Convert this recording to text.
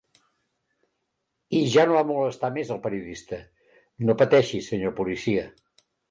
I ja no va molestar més al periodista: No pateixi, senyor policia.